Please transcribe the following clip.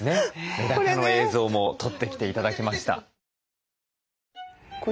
メダカの映像も撮ってきて頂きました。